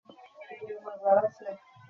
আচার্যদেব তথায় পৌঁছিলে একটি কৌতুককর ঘটনা ঘটিল।